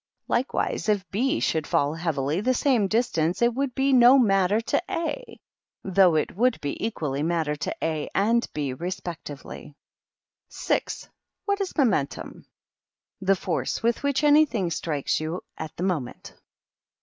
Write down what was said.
lAkewise, if B should fall heavily the same distance, it would be no matter to A; though it would be equally matter to A and B respectively. 6. What is 7nom£ntum? The force with which anything strikes you at the moment.